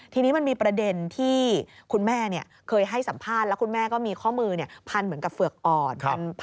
ทีนี้มันมีประเด็นที่คุณแม่เคยให้สัมภาษณ์แล้วคุณแม่ก็มีข้อมือพันเหมือนกับเฝือกอ่อน